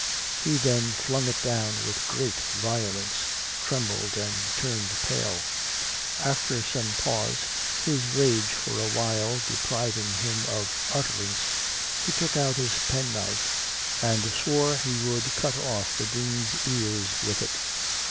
He then flung it down with great violence, trembled and turned pale. After some pause, his rage for a while depriving him of utterance, he took out his penknife, and swore he would cut off the Dean's ears with it.